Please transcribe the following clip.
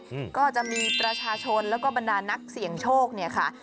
อืมก็จะมีประชาชนแล้วก็บรรดานักเสี่ยงโชคเนี่ยค่ะ